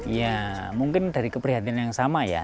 ya mungkin dari keprihatinan yang sama ya